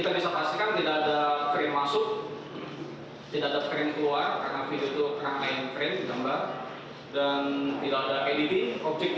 baik kami lanjutkan alin